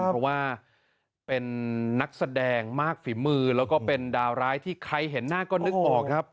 เพราะว่าเป็นนักแสดงมากฝีมือแล้วก็เป็นดาวร้ายที่ใครเห็นหน้าก็นึกออกครับ